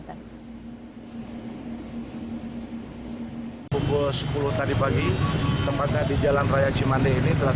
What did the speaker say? pemangku di jalan raya cimandi